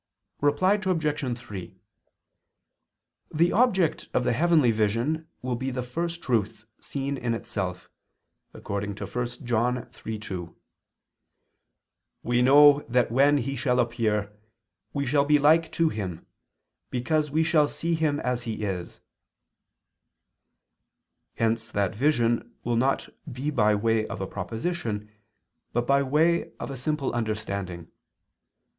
Reply Obj. 3: The object of the heavenly vision will be the First Truth seen in itself, according to 1 John 3:2: "We know that when He shall appear, we shall be like to Him: because we shall see Him as He is": hence that vision will not be by way of a proposition but by way of a simple understanding.